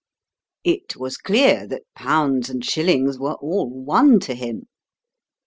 It was clear that pounds and shillings were all one to him.